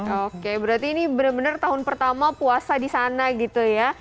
oke berarti ini benar benar tahun pertama puasa di sana gitu ya